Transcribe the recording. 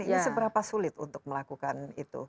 ini seberapa sulit untuk melakukan itu